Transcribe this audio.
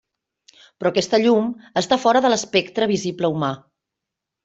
Però aquesta llum està fora de l'espectre visible humà.